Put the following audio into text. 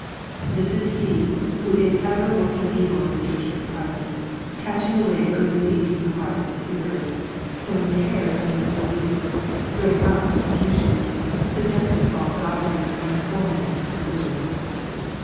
This is he who is ever working evil in the churches of Christ, catching away good seed from the hearts of hearers, sowing tares amidst the wheat, stirring up persecutions, suggesting false doc trines, and fomenting divisions.